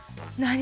何？